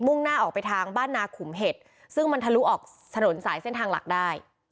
่งหน้าออกไปทางบ้านนาขุมเห็ดซึ่งมันทะลุออกถนนสายเส้นทางหลักได้